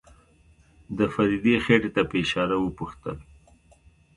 د فريدې خېټې ته په اشاره وپوښتل.